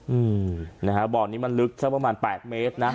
อืมนะฮะบ่อนี้มันลึกสักประมาณแปดเมตรนะ